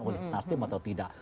oleh nasdem atau tidak